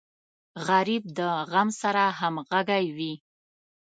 غریب د غم سره همغږی وي